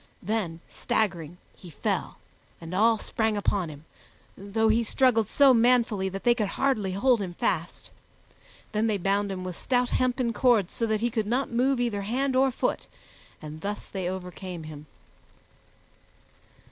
Then, staggering, he fell, and all sprang upon him, though he struggled so manfully that they could hardly hold him fast. Then they bound him with stout hempen cords so that he could not move either hand or foot, and thus they overcame him.